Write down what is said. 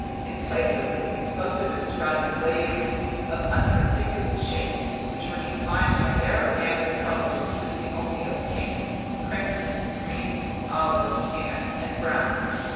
In place of leaves, most of them sprouted blades of unpredictable shape, which were confined to a narrow gamut of colors consisting only of pink, crimson, green, olive, tan, and brown.